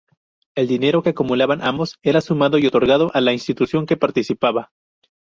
El dinero que acumulaban ambos era sumado y otorgado a la institución que participaba.